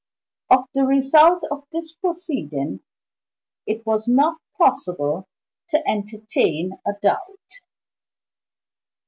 Of the result of this proceeding it was not possible to entertain a doubt.